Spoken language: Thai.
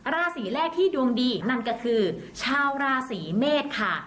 ราศีแรกที่ดวงดีนั่นก็คือชาวราศีเมษค่ะ